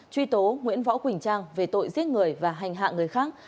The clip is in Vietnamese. truy tố nguyễn võ quỳnh trang về tội giết người và hành hạ người khác